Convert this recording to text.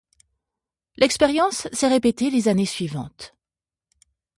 L'expérience s'est répétée les années suivantes.